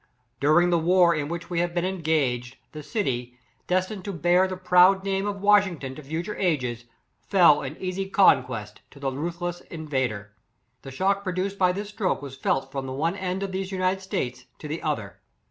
Du ring the war in which we have been engag ed, the city, destined to bear the proud name of Washington to future ages, fell an easy conquest to the ruthless invader. The shock produced by this stroke was felt from the one end of these United States to the other.